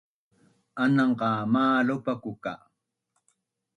Anangqa ka malopaku ka